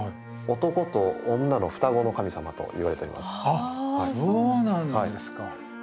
あっそうなんですか。